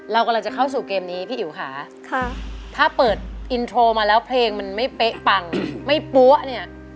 เรากำลังจะเข้าสู่เกมนี้พี่อิ๋วค่ะถ้าเปิดอินโทรมาแล้วเพลงมันไม่เป๊ะปังไม่ปั๊วเนี่ย